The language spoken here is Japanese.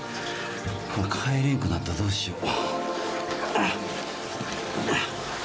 帰れんくなったらどうしよう。